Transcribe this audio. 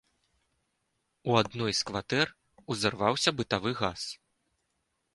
У адной з кватэр узарваўся бытавы газ.